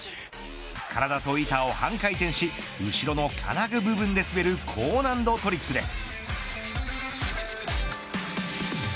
体と板を半回転し後ろの金具部分で滑る高難度トリックです。